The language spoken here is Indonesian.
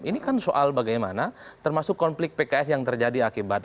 ini kan soal bagaimana termasuk konflik pks yang terjadi akibat